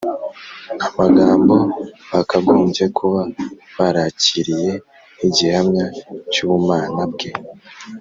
Amagambo bakagombye kuba barakiriye nk’igihamya cy’ubumana Bwe